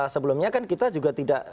sebelumnya kan kita juga tidak